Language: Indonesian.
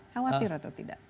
khawatir atau tidak